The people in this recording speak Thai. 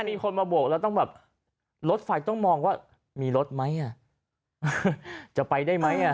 มีคนมาโบกแล้วต้องแบบรถไฟต้องมองว่ามีรถไหมอ่ะจะไปได้ไหมอ่ะ